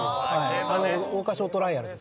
桜花賞トライアルですよね。